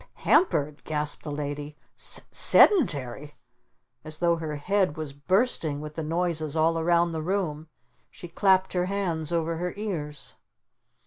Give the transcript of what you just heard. "P Pampered?" gasped the Lady. "S Sed entary?" As though her head was bursting with the noises all around the room she clapped her hands over her ears.